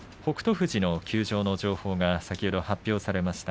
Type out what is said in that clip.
富士の休場の情報が先ほど発表されました。